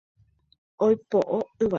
Oipo'o yva.